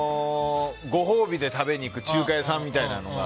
ご褒美で食べに行く中華屋さんみたいなものが。